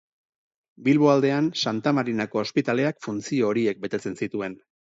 Bilbo aldean, Santa Marinako Ospitaleak funtzio horiek betetzen zituen.